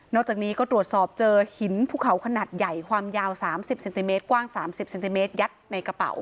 จากนี้ก็ตรวจสอบเจอหินภูเขาขนาดใหญ่ความยาว๓๐เซนติเมตรกว้าง๓๐เซนติเมตรยัดในกระเป๋า